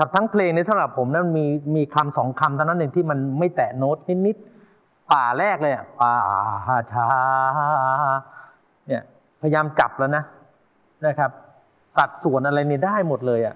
ทั้งเพลงนี้สำหรับผมมีคำ๒คำทั้งนั้นหนึ่งที่มันไม่แตะโน้ตนิดป่าแรกเลยป่าชาพยายามจับแล้วนะสัตว์ส่วนอะไรนี้ได้หมดเลย